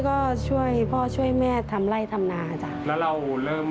คุณแม่คนนี้คุณแม่คนนี้